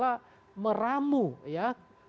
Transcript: kadang kadang meramu ya